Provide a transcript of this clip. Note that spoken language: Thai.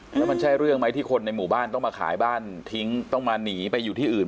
แล้วมันใช่เรื่องไหมที่คนในหมู่บ้านต้องมาขายบ้านทิ้งต้องมาหนีไปอยู่ที่อื่น